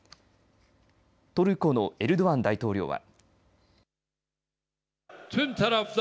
トルコのエルドアン大統領は。